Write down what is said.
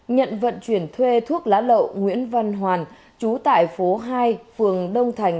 nhận vận chuyển thuê thuốc lá lậu nguyễn văn hoàn chú tại phố hai phường đông thành